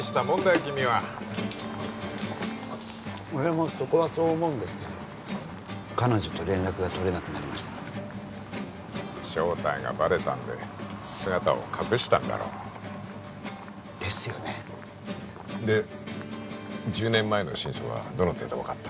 君は俺もそこはそう思うんですけど彼女と連絡が取れなくなりました正体がバレたんで姿を隠したんだろうですよねで１０年前の真相はどの程度分かった？